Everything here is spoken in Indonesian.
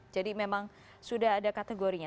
jadi memang sudah ada kategorinya